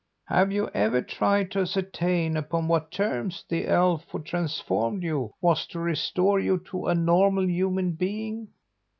"Have you ever tried to ascertain upon what terms the elf who transformed you was to restore you to a normal human being?"